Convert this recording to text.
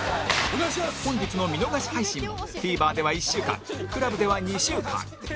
本日の見逃し配信も ＴＶｅｒ では１週間 ＣＬＵＢ では２週間